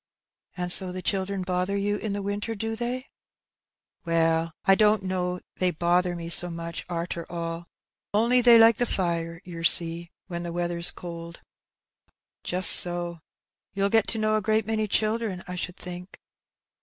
"And so the children bother you in the winter, do they ?"" Well, I don't know they bother me so much, arter all ; only they like the fire, yer see, when the weather's cold." "Just so; you'll get to know a great many children, I should think